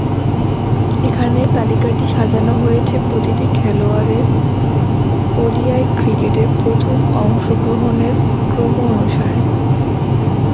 এখানে তালিকাটি সাজানো হয়েছে প্রতিটি খেলোয়াড়ের ওডিআই ক্রিকেটে প্রথম অংশ গ্রহণের ক্রম অনুসারে।